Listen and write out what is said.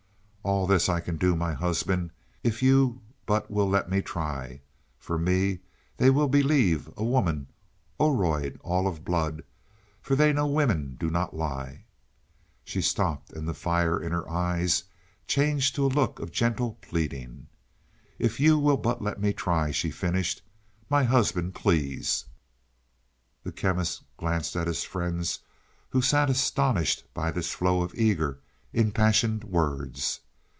"All this I can do, my husband, if you but will let me try. For me they will believe, a woman, Oroid all of blood for they know women do not lie." She stopped and the fire in her eyes changed to a look of gentle pleading. "If you will but let me try," she finished. "My husband please." The Chemist glanced at his friends who sat astonished by this flow of eager, impassioned words.